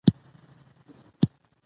لاسونه په صابون ووينځئ